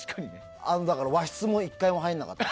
和室も１回も入らなかった。